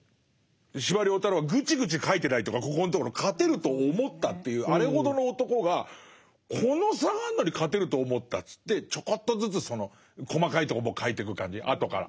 司馬太郎はグチグチ書いてないというかここのところ勝てると思ったっていうあれほどの男がこの差があるのに勝てると思ったっつってちょこっとずつその細かいとこも書いてく感じ後から。